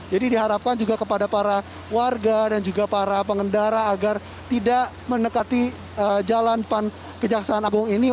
jadi diharapkan juga kepada para warga dan juga para pengendara agar tidak menekati jalan pankejaksaan agung ini